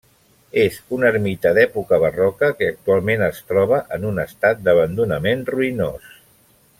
És una ermita d'època barroca que actualment es troba en un estat d'abandonament ruïnós.